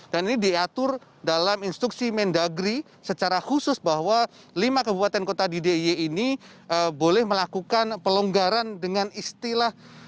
dan ini diatur dalam instruksi mendagri secara khusus bahwa lima kebuatan kota di d i e ini boleh melakukan pelonggaran dengan istilah